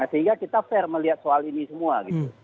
sehingga kita fair melihat soal ini semua gitu